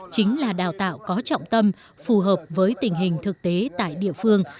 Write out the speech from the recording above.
chính là đào tạo có trọng tâm phù hợp với tình hình thực tế tại địa phương